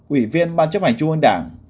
ủy viên ban chấp hành trung ương đảng